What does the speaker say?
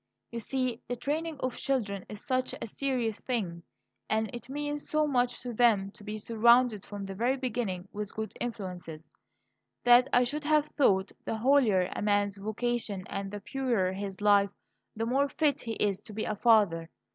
You see, the training of children is such a serious thing, and it means so much to them to be surrounded from the very beginning with good influences, that I should have thought the holier a man's vocation and the purer his life, the more fit he is to be a father.